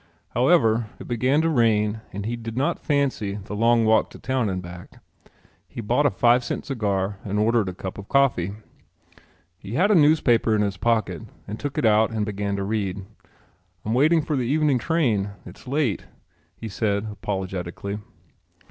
However, it began to rain and he did not fancy the long walk to town and back. He bought a five cent cigar and ordered a cup of coffee. He had a newspaper in his pocket and took it out and began to read. "I'm waiting for the evening train. It's late," he said apologetically.